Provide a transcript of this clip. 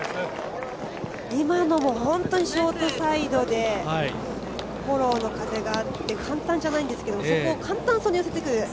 今のも本当にショートサイドでフォローの風があって簡単じゃないですけどそこを簡単そうに寄せてくる。